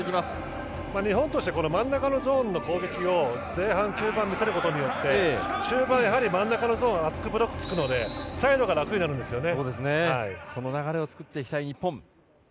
日本としては真ん中のゾーンの攻撃を前半、中盤見せることによって終盤、真ん中のゾーンブロックがつくのでサイドがあくんですよね。